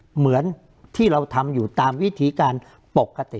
เหมือนที่เราทำอยู่ตามวิธีการปกติ